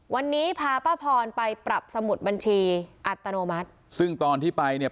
วันนี้พาป้าพรไปปรับสมุดบัญชีอัตโนมัติซึ่งตอนที่ไปเนี่ย